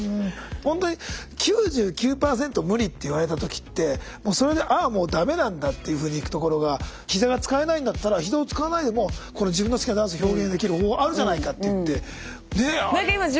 ほんとに「９９％無理」って言われた時ってもうそれで「ああもう駄目なんだ」っていうふうにいくところがひざが使えないんだったらひざを使わないでも自分の好きなダンスを表現できる方法あるじゃないかって言ってねえ。